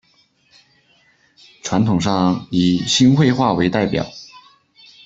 传统上以新会话为代表。